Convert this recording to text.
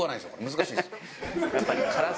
難しいですよ。